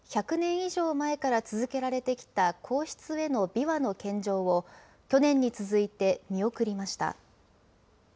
以上前から続けられてきた皇室へのびわの献上を去年に続いて見送りました。